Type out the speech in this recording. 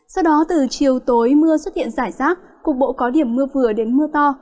sau đó từ chiều tối mưa xuất hiện rải rác cục bộ có điểm mưa vừa đến mưa to